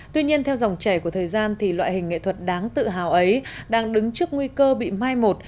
tuy nhiên theo dòng chảy của thời gian thì loại hình nghệ thuật đáng tự hào ấy đang đứng trước nguy cơ bị mai một